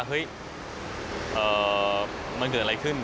เฮ้ยมันเกิดอะไรขึ้น